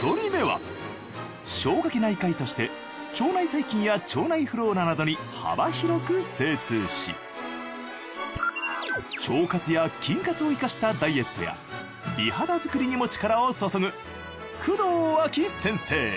１人目は消化器内科医として腸内細菌や腸内フローラなどに幅広く精通し腸活や菌活を生かしたダイエットや美肌作りにも力を注ぐ工藤あき先生。